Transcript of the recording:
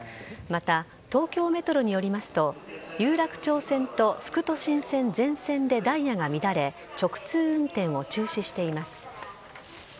また、東京メトロによりますと有楽町線と副都心線全線でダイヤが乱れ直通運転を中止しています。